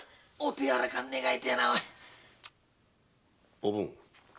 おぶん。